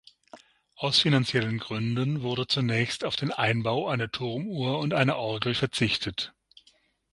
Aus finanziellen Gründen wurde zunächst auf den Einbau einer Turmuhr und einer Orgel verzichtet.